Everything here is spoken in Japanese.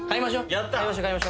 やった。